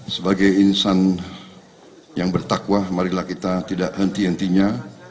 sebagai insan yang bertakwa marilah kita tidak henti hentinya